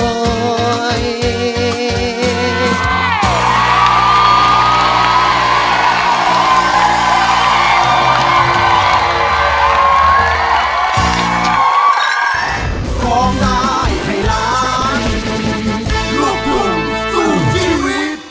โอ้ยแม่แก้มสองหยิบสามสิบ